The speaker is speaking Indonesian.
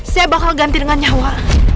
saya bakal ganti dengan nyawa